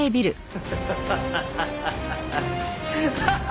ハハハハハハハ！